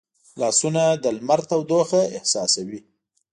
لاسونه د لمري تودوخه احساسوي